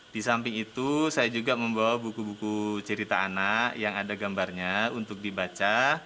di samping itu saya juga membawa buku buku cerita anak yang ada gambarnya untuk dibaca